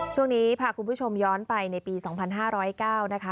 ช่วงนี้พาคุณผู้ชมย้อนไปในปี๒๕๐๙นะคะ